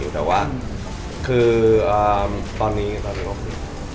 แต่ว่าคือตอนนี้ก็ตอนนี้